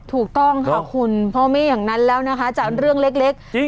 ถูกต้องค่ะคุณเพราะไม่อย่างนั้นแล้วนะคะจากเรื่องเล็ก